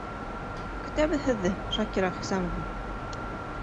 Көтәбеҙ һеҙҙе, Шакира Хисамовна!